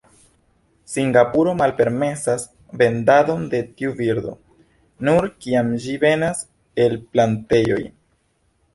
Singapuro malpermesas vendadon de tiu birdo, nur kiam ĝi venas el plantejoj.